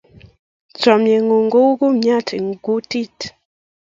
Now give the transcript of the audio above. chamiet ne ng'un ko u kumiat eng' kutit